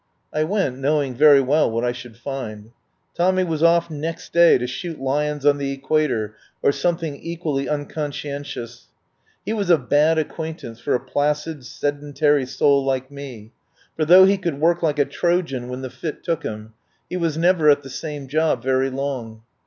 I went, knowing very well what I should find. Tommy was off next day to shoot lions on the Equator, or something equally unconscien tious. He was a bad acquaintance for a placid sedentary soul like me, for though he could work like a Trojan when the fit took him, he 14 THE WILD GOOSE CHASE was never at the same job very long.